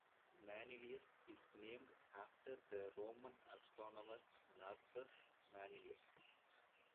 Manilius is named after the Roman astronomer Marcus Manilius.